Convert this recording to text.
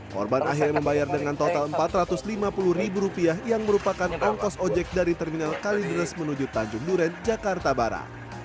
korban akhirnya membayar dengan total empat ratus lima puluh ribu rupiah yang merupakan ongkos ojek dari terminal kalideres menuju tanjung duren jakarta barat